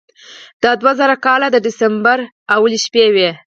دا د دوه زره کال د دسمبر لومړۍ شپې وې.